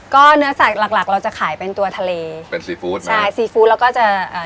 ก็เนื้อสัตว์หลักหลักเราจะขายเป็นตัวทะเลเป็นซีฟู้ดใช่ซีฟู้ดแล้วก็จะอ่า